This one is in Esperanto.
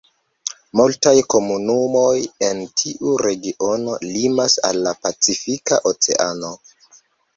Multaj komunumoj en tiu regiono limas al la pacifika oceano.